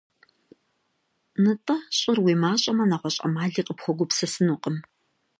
НтӀэ, щӀыр уи мащӀэмэ, нэгъуэщӀ Ӏэмали къыпхуэгупсысынукъым.